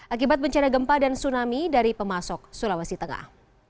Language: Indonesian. akibat bencana gempa dan tsunami dari pemasok sulawesi tengah